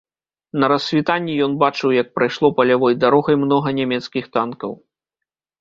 На рассвітанні ён бачыў, як прайшло палявой дарогай многа нямецкіх танкаў.